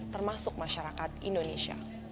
termasuk masyarakat indonesia